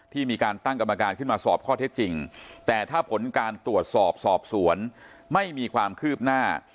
มีการตั้งกรรมการขึ้นมาสอบข้อเท็จจริงแต่ถ้าผลการตรวจสอบสอบสวนไม่มีความคืบหน้า